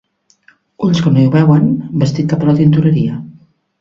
Ulls que no hi veuen, vestit cap a la tintoreria.